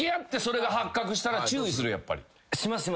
します。